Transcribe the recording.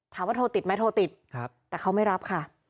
โทรติดไหมโทรติดแต่เขาไม่รับค่ะ